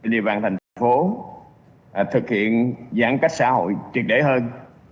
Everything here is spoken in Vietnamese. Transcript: địa bàn thành phố thực hiện giãn cách xã hội truyền đẩy hơn